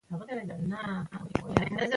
ولایتونه د افغانانو د معیشت یوه سرچینه ده.